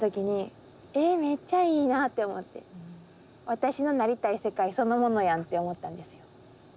私のなりたい世界そのものやんって思ったんですよ。